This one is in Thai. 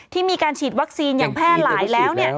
มีการฉีดวัคซีนอย่างแพร่หลายแล้ว